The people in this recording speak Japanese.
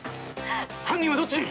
◆犯人はどっちに！